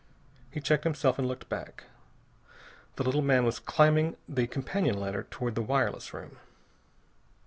He checked himself and looked back. The little man was climbing the companion ladder toward the wireless room.